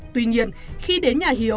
tuy nhiên khi đến nhà hiếu